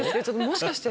もしかして。